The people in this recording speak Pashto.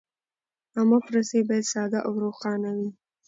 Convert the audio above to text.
عامه پروسې باید ساده او روښانه وي.